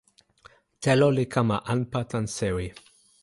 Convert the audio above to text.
telo li kama anpa tan sewi.